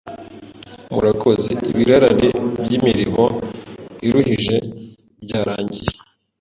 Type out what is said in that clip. Murakoze, ibirarane byimirimo iruhije byarangiye.